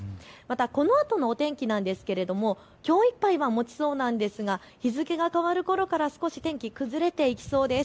このあとのお天気なんですけれども、きょういっぱいはもちそうなんですが日付が変わるころから少し天気崩れていきそうです。